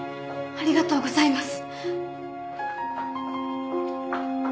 ありがとうございます。